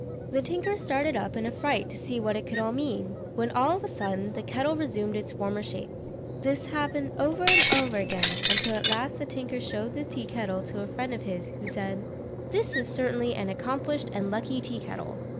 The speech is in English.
The tinker started up in a fright to see what it could all mean, when all of a sudden the kettle resumed its former shape. This happened over and over again, until at last the tinker showed the tea kettle to a friend of his, who said, "This is certainly an accomplished and lucky tea kettle.